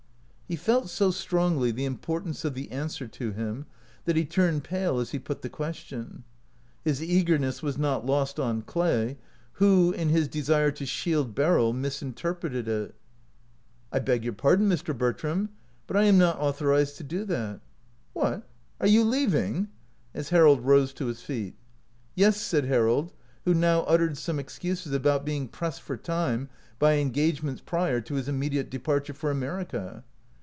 He felt so strongly the importance of the answer to him, that he turned pale as he put the question. His eagerness was not lost on Clay, who, in his desire to shield Beryl, misinterpreted it. " I beg your pardon, Mr. Bertram, but I am not authorized to do that. What! are you leaving ?" as Harold rose to his feet. "Yes," said Harold, who now uttered some excuses about being pressed for time by engagements prior to his immediate de parture for America.